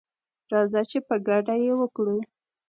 راځه چي په ګډه یې وکړو